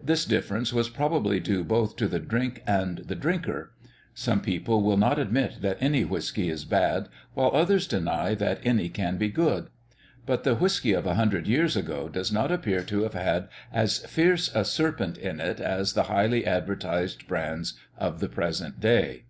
This difference was probably due both to the drink and the drinker. Some people will not admit that any whiskey is bad, while others deny that any can be good; but the whiskey of a hundred years ago does not appear to have had as fierce a serpent in it as the highly advertised brands of the present day.